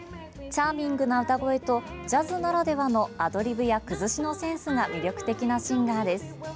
チャーミングな歌声とジャズならではのアドリブやくずしのセンスが魅力的なシンガーです。